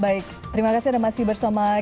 baik terima kasih anda mas ibersomai